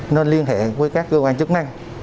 nên liên hệ với các cơ quan chức năng